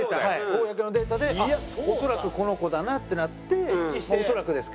公のデータで恐らくこの子だなってなって恐らくですけど。